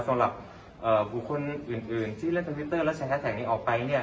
สำหรับบุคคลอื่นที่เล่นคอมพิวเตอร์และใช้แท็กนี้ออกไปเนี่ย